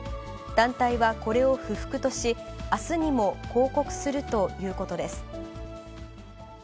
団体はこれを不服とし、あすにも抗告するということです。